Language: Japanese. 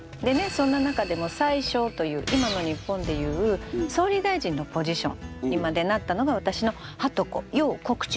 そんな中でも宰相という今の日本で言う総理大臣のポジションにまでなったのが私のはとこ楊国忠。